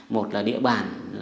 một là địa bàn